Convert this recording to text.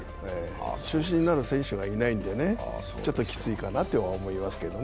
中心になる選手がいないんでね、ちょっときついかなとは思いますけどね。